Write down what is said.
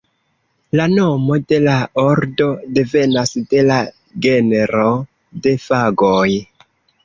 La nomo de la ordo devenas de la genro de Fagoj.